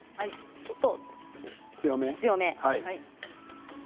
ちょっと強め。